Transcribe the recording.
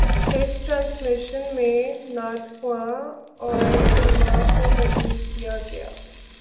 اس transmission میں نعت خواں اور علمأ کو مدعو کیا گیا